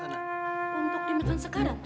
untuk dimakan sekarang tuan